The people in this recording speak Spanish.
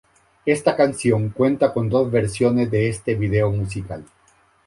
Esta canción, cuenta con dos versiones de este video musical.